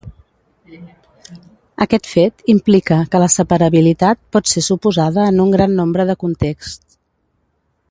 Aquest fet implica que la separabilitat pot ser suposada en un gran nombre de contexts.